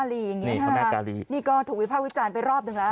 พระแม่กาลีอย่างงี้ฮะนี่ก็ถูกวิภาควิจารณ์ไปรอบหนึ่งแล้ว